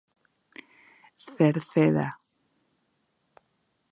Cerceda.